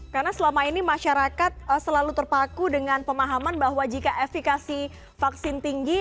karena selama ini masyarakat selalu terpaku dengan pemahaman bahwa jika eflikasi vaksin tinggi